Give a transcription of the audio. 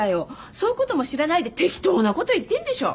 そういうことも知らないで適当なこと言ってんでしょ？